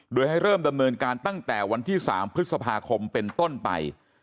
โดยให้เริ่มดำเนินการตั้งแต่วันที่๓พฤษภาคมเป็นต้นไป